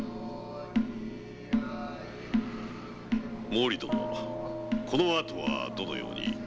・毛利殿この後はどのように？